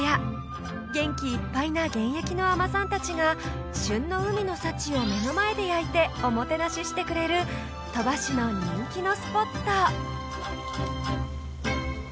元気いっぱいな現役の海女さんたちが旬の海の幸を目の前で焼いておもてなししてくれる鳥羽市の人気のスポット